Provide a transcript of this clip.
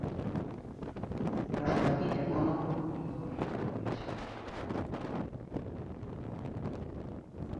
রাস্তাটি এখনও অবিকৃত অবস্থায় রয়েছে।